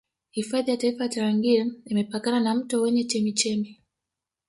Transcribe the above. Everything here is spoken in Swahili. Hifadhi ya taifa ya Tarangire imepakana na mto wenye chemchemi